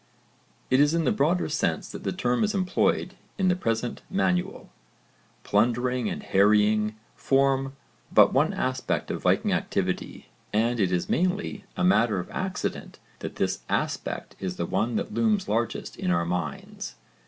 It is in the broader sense that the term is employed in the present manual. Plundering and harrying form but one aspect of Viking activity and it is mainly a matter of accident that this aspect is the one that looms largest in our minds.